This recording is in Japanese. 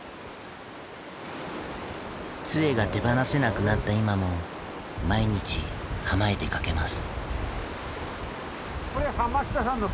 つえが手放せなくなった今も毎日浜へ出かけます。